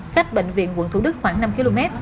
khách bệnh viện quận thủ đức khoảng năm km